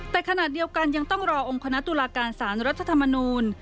แต่ขณะเดียวกันยังต้องรอองค์คณะตุลาการสารรัฐธรรมนูล